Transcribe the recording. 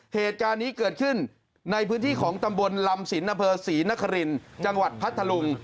เหตุการณ์นี้เกิดขึ้นในพื้นที่ของตำบลลำสินอำเภอศรีนครินจังหวัดพัทธลุง